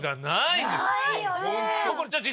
ないよね。